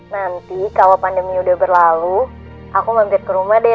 nanti kalau pandemi udah berlalu aku mampir ke rumah deh